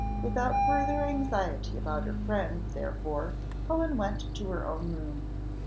Without further anxiety about her friend, therefore, Helen went to her own room.